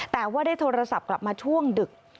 แต่ว่าได้โทรศัพท์กลับมาช่วงดึก